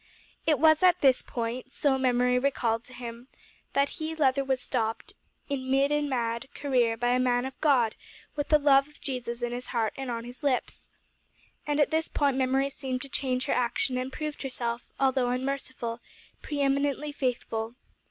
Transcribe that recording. It was at this point so Memory recalled to him that he, Leather, was stopped, in mid and mad, career, by a man of God with the love of Jesus in his heart and on his lips. And at this point Memory seemed to change her action and proved herself, although unmerciful, pre eminently faithful.